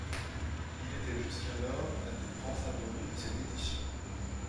Il était jusqu'alors l'un des grands favoris de cette édition.